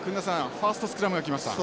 ファーストスクラムがきました。